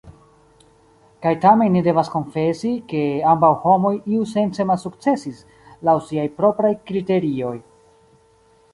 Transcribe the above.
Kaj tamen ni devas konfesi, ke ambaŭ homoj iusence malsukcesis, laŭ siaj propraj kriterioj.